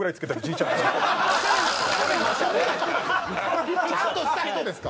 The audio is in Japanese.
ちゃんとした人ですか？